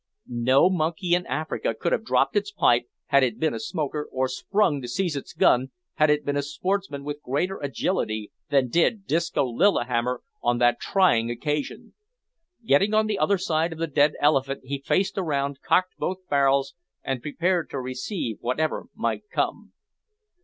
No monkey in Africa could have dropped its pipe, had it been a smoker, or sprung to seize its gun, had it been a sportsman, with greater agility than did Disco Lillihammer on that trying occasion! Getting on the other side of the dead elephant he faced round, cocked both barrels, and prepared to receive whatever might come.